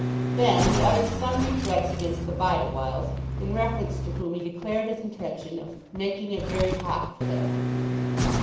Then he uttered sundry threats against the Bideawhiles, in reference to whom he declared his intention of "making it very hot for them."